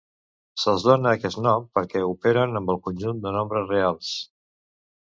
Se'ls dona aquest nom perquè operen amb el conjunt de nombres reals.